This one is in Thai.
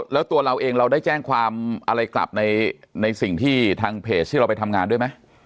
แล้วตัวเราเองเราได้แจ้งความอะไรกลับในสิ่งที่ทางเพจที่เราไปทำงานด้วยไหม